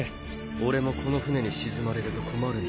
俺もこの船に沈まれると困るんでな。